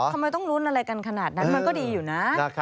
ทำไมต้องลุ้นอะไรกันขนาดนั้นมันก็ดีอยู่นะ